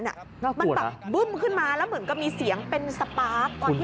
น่ากลัวนะคุณทัศนายมันแบบบึ้มขึ้นมาแล้วเหมือนก็มีเสียงเป็นสปาร์ท